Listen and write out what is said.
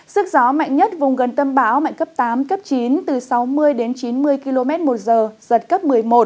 sức gió mạnh nhất vùng gần tâm bão mạnh cấp tám cấp chín từ sáu mươi đến chín mươi km một giờ giật cấp một mươi một